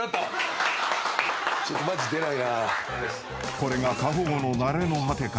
［これが過保護の成れの果てか］